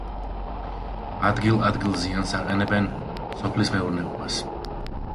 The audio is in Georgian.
ადგილ-ადგილ ზიანს აყენებენ სოფლის მეურნეობას.